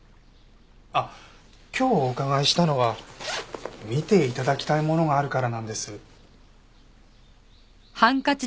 あっ今日お伺いしたのは見て頂きたいものがあるからなんです。